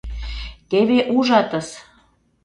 — Теве ужатыс.